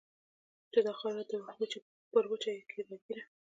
چې دا خاوره ده پر وچه کې راګېره